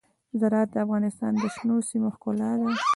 زراعت د افغانستان د شنو سیمو ښکلا ده.